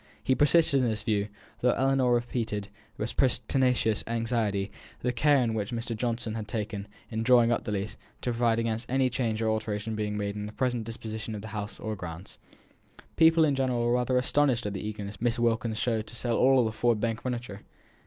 He persisted in this view, though Ellinor repeated, with pertinacious anxiety, the care which Mr. Johnson had taken, in drawing up the lease, to provide against any change or alteration being made in the present disposition of the house or grounds. People in general were rather astonished at the eagerness Miss Wilkins showed to sell all the Ford Bank furniture.